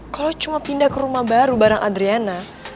kalau cuma pindah ke rumah baru barang adriana